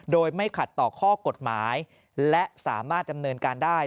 โดยไม่ขัดต่อข้อกฎหมายและสามารถดำเนินการได้